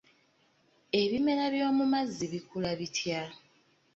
Ebimera by'omu mazzi bikula bitya?